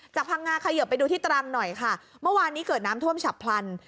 พังงาเขยิบไปดูที่ตรังหน่อยค่ะเมื่อวานนี้เกิดน้ำท่วมฉับพลัน